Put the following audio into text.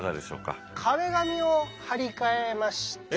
壁紙を張り替えまして。